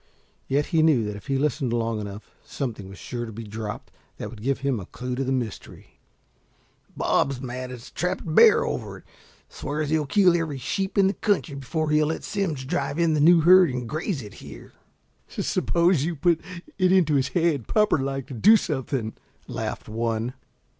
Yet he knew that if he listened long enough something was sure to be dropped that would give him a clue to the mystery. "Bob's mad as a trapped bear over it. Swears he'll kill every sheep in the country before he'll let Simms drive in the new herd and graze it here." "Suppose you put it into his head proper like to do something?" laughed one.